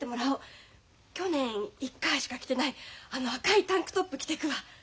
去年１回しか着てないあの赤いタンクトップ着てくわ。